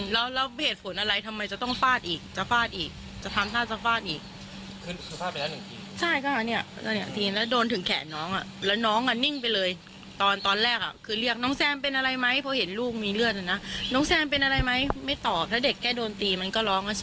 แล้วเพราะอะไรทำไมจะต้องฟาดอีกจะทำร่างศักดิ์ฟาดอีก